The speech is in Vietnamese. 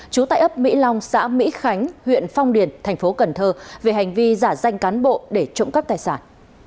trú tại ấp mỹ long xã mỹ khánh huyện phong điền thành phố cần thơ về hành vi giả danh cán bộ để trộm cắp tài sản